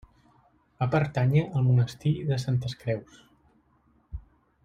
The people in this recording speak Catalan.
Va pertànyer al monestir de Santes Creus.